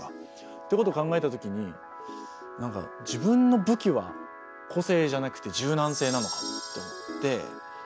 っていうことを考えたときに何か自分の武器は個性じゃなくて柔軟性なのかもと思って。